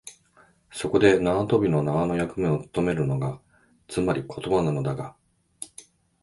そこで縄跳びの縄の役目をつとめるのが、つまり言葉なのだが、